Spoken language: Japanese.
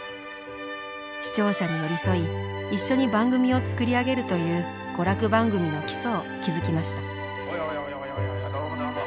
視聴者に寄り添い一緒に番組を作り上げるという娯楽番組の基礎を築きましたおやおやおやおやどうもどうも。